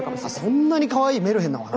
そんなにかわいいメルヘンなお話？